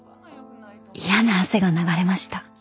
嫌な汗が流れました］